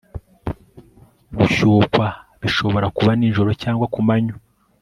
gushyukwa bishobora kuba nijoro cyangwa ku manywa